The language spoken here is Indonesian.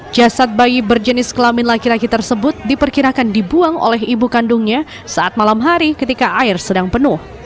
jasad bayi berjenis kelamin laki laki tersebut diperkirakan dibuang oleh ibu kandungnya saat malam hari ketika air sedang penuh